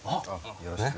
よろしく。